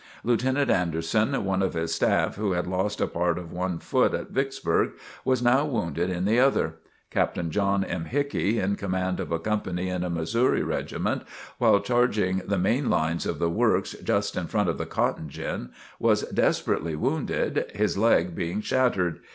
Lieutenant Anderson, one of his staff, who had lost a part of one foot at Vicksburg, was now wounded in the other. Captain John M. Hickey, in command of a company in a Missouri regiment, while charging the main lines of the works just in front of the cotton gin, was desperately wounded, his leg being shattered.